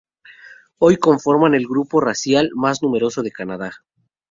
Hoy conforman el grupo racial más numeroso de Canadá.